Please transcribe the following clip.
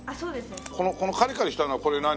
このカリカリしたのはこれ何？